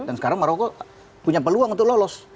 dan sekarang maroko punya peluang untuk lolos